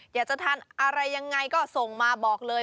อยากจะทานอะไรยังไงก็ส่งมาบอกเลย